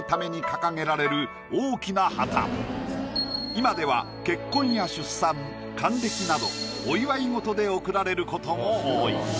今では結婚や出産還暦などお祝い事で贈られることも多い。